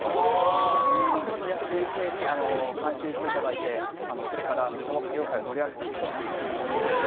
秋元康先生に監修していただいてこれから昭和歌謡界を盛り上げていこうという。